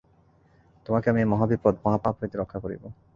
তোমাকে আমি এই মহাবিপদ মহাপাপ হইতে রক্ষা করিব।